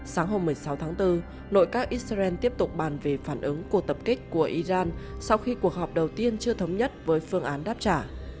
sáng hôm một mươi sáu tháng bốn nội các israel tiếp tục bàn về phản ứng cuộc tập kích của iran sau khi cuộc họp đầu tiên chưa thống nhất với phương án đáp trả